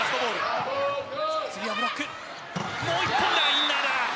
インナーだ。